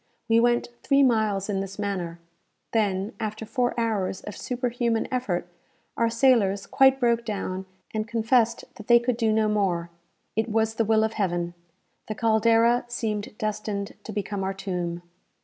We went three miles in this manner. Then, after four hours of superhuman effort, our sailors quite broke down, and confessed that they could do no more. It was the will of Heaven. The "Caldera" seemed destined to become our tomb.